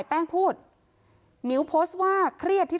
คุณพ่อคุณว่าไง